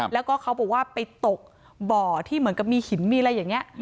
แล้วก็เขาบอกว่าไปตกบ่อที่เหมือนกับมีหินมีอะไรอย่างนี้